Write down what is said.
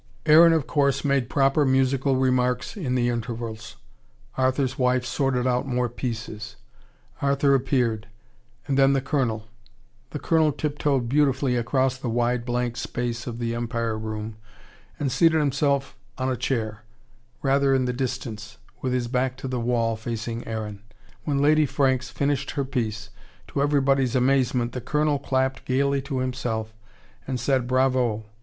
Aaron of course made proper musical remarks in the intervals Arthur's wife sorted out more pieces. Arthur appeared and then the Colonel. The Colonel tip toed beautifully across the wide blank space of the Empire room, and seated himself on a chair, rather in the distance, with his back to the wall, facing Aaron. When Lady Franks finished her piece, to everybody's amazement the Colonel clapped gaily to himself and said Bravo!